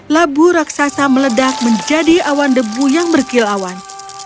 labu raksasa meledak menjadi awan debu yang berkilawan